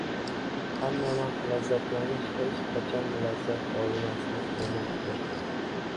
Hammavaqt lazzatlanish — hech qachon lazzat olmaslik demakdir.